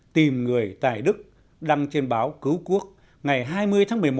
tìm người tài đức đăng trên báo cứu quốc ngày hai mươi tháng một mươi một